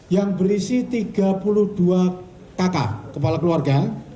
yang berisi tiga puluh dua kakak kepala keluarga